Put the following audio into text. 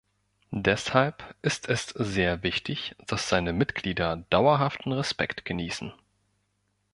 Deshalb ist es sehr wichtig, dass seine Mitglieder dauerhaften Respekt genießen.